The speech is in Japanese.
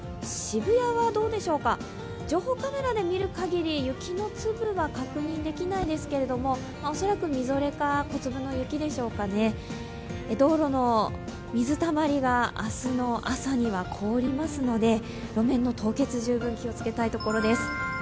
渋谷はどうでしょうか、情報カメラで見るかぎり雪の粒は確認できないですけど、恐らくみぞれか、小粒の雪でしょうかね、道路の水たまりが明日の朝には凍りますので路面の凍結、十分気をつけたいところです。